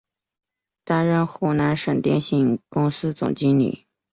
担任湖南省电信公司总经理。